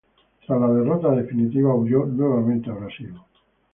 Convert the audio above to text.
Tras la derrota definitiva, huyó nuevamente a Brasil.